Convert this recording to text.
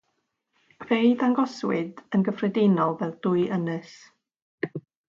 Fe'i dangoswyd yn gyffredinol fel dwy ynys.